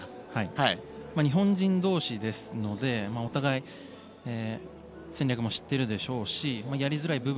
日本人同士ですのでお互い戦略も知っているでしょうしやりづらい